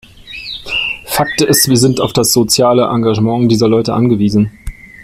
Fakt ist, wir sind auf das soziale Engagement dieser Leute angewiesen.